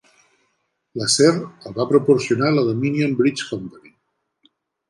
L'acer el va proporcionar la Dominion Bridge Company.